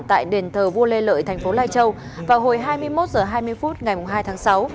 tại đền thờ vua lê lợi thành phố lai châu vào hồi hai mươi một h hai mươi phút ngày hai tháng sáu